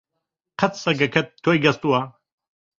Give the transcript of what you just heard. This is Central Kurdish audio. قەت سەگەکەت تۆی گەستووە؟